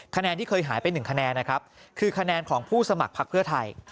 คะแนนที่เคยหายไป๑คะแนนนะครับคือคะแนนของผู้สมัครพักเพื่อไทย